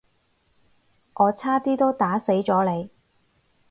我差啲都打死咗你